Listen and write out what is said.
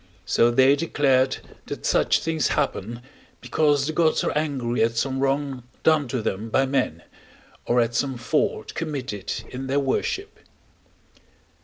so they declared that such things happen, because the gods are angry at some wrong done to them by men, or at some fault committed in their worship.